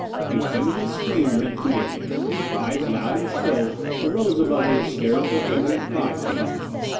A feminine scream rent the air. Cries loud and shrill arose above a hysterical feminine cry for help.